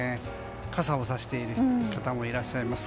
傘をさしている方もいらっしゃいます。